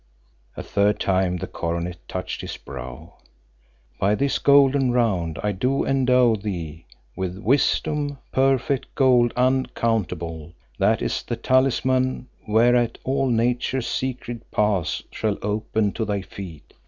A third time the coronet touched his brow. "By this golden round I do endow thee with Wisdom's perfect gold uncountable, that is the talisman whereat all nature's secret paths shall open to thy feet.